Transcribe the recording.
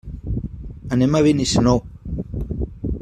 Anem a Benissanó.